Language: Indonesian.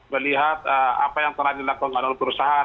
melihat apa yang telah dilakukan oleh perusahaan